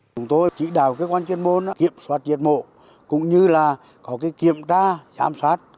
chúng tôi chỉ đào cơ quan chuyên môn kiểm soát diệt mộ cũng như là có kiểm tra giám sát